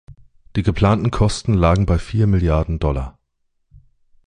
Die geplanten Kosten lagen bei vier Milliarden Dollar.